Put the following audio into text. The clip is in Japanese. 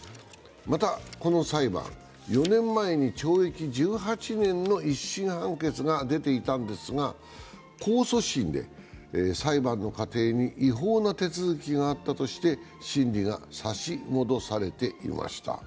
また、この裁判、４年前に懲役１８年の１審判決が出ていたんですが、控訴審で裁判の過程に違法な手続きがあったとして、審理が差し戻されていました。